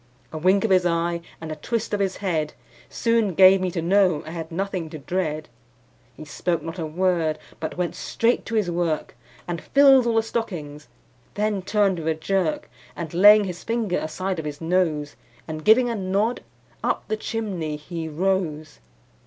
A wink of his eye, and a twist of his head, Soon gave me to know I had nothing to dread. He spoke not a word, but went straight to his work, And filled all the stockings; then turned with a jerk, And laying his finger aside of his nose, And giving a nod, up the chimney he rose.